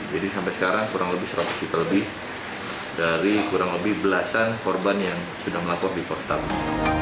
jadi sampai sekarang kurang lebih seratus juta lebih dari kurang lebih belasan korban yang sudah melapor di portal